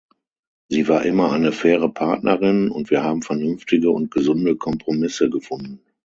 Sie war immer eine faire Partnerin, und wir haben vernünftige und gesunde Kompromisse gefunden.